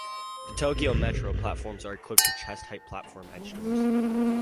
The Tokyo Metro platforms are equipped with chest-height platform edge doors.